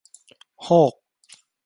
โฮก !